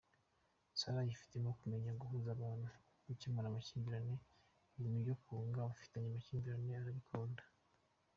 Sarah yifitemo kumenya guhuza abantu, gucyemura amakimbirane , ibintu byo kunga abafitanye amakimbirane arabikunda.